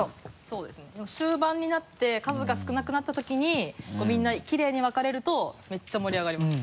そうですねでも終盤になって数が少なくなったときにみんなきれいに分かれるとめっちゃ盛り上がります。